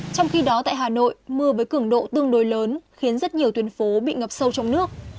trong khi đó tại hà nội mưa với cường độ tương đối lớn khiến rất nhiều tuyến phố bị ngập sâu trong nước